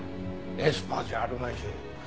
エスパーじゃあるまいし。